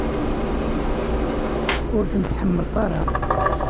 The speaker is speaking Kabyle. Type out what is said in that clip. Ur tent-tḥemmleḍ ara?